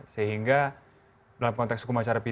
sehingga dalam konteks ini itu tidak akan jadi